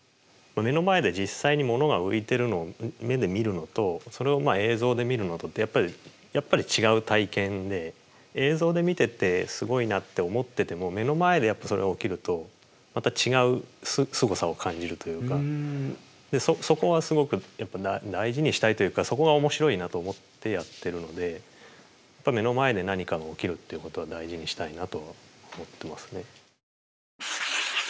目の前で実際にものが浮いてるのを目で見るのとそれを映像で見るのとってやっぱり違う体験で映像で見ててすごいなって思ってても目の前でやっぱそれが起きるとまた違うすごさを感じるというかでそこはすごく大事にしたいというかそこが面白いなと思ってやってるので目の前で何かが起きるっていうことは大事にしたいなとは思ってますね。